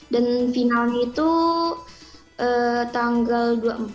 dan finalnya itu tanggal dua puluh empat